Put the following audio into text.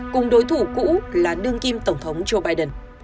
cùng đối thủ cũ là đương kim tổng thống joe biden